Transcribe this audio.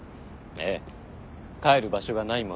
帰る場所がないもので。